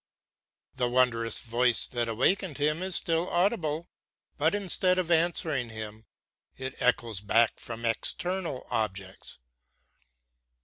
The wondrous voice that awakened him is still audible, but instead of answering him it echoes back from external objects.